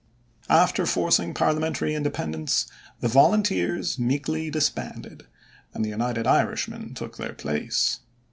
After forcing parliamentary independence the Volunteers meekly disbanded, and the United Irishmen took their place.